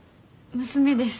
娘です。